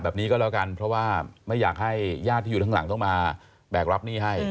แบบนี้ก็แล้วกันเพราะว่าไม่อยากให้ญาติที่อยู่ข้างหลังต้องมาแบกรับหนี้ให้